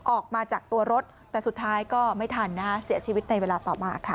ออกมาจากตัวรถแต่สุดท้ายก็ไม่ทันนะฮะเสียชีวิตในเวลาต่อมาค่ะ